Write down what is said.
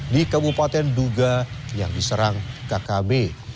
di kabupaten duga yang diserang kkb